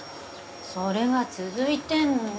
それが続いてんのよ。